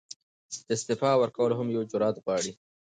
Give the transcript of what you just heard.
استعفاء ورکول هم یو جرئت غواړي.